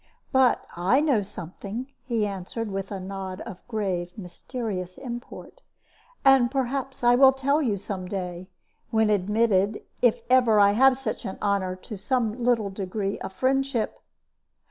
"But I know something," he answered, with a nod of grave, mysterious import; "and perhaps I will tell you some day, when admitted, if ever I have such an honor, to some little degree of friendship."